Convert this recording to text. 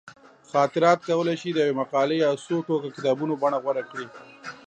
خاطرات کولی شي د یوې مقالې یا څو ټوکه کتابونو بڼه غوره کړي.